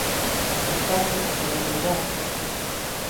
O espazo, en primeiro lugar